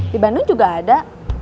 di bandung juga ada